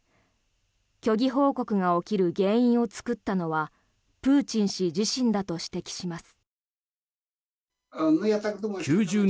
虚偽報告が起きる原因を作ったのはプーチン氏自身だと指摘します。